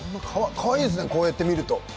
かわいいですねこうやって見ると。